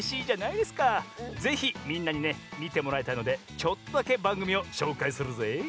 ぜひみんなにねみてもらいたいのでちょっとだけばんぐみをしょうかいするぜい！